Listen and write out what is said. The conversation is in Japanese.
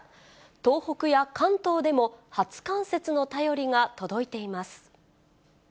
東北や関東でも初冠雪の便りが届いています。